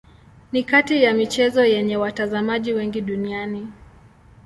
Ni kati ya michezo yenye watazamaji wengi duniani.